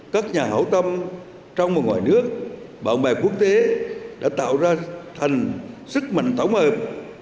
các nhà hậu tâm trong và ngoài nước bạn bè quốc tế đã tạo ra thành sức mạnh tổng hợp